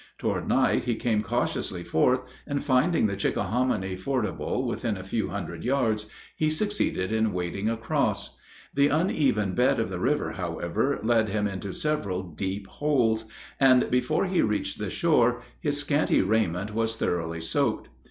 Toward night he came cautiously forth, and finding the Chickahominy fordable within a few hundred yards, he succeeded in wading across. The uneven bed of the river, however, led him into several deep holes, and before he reached the shore his scanty raiment was thoroughly soaked.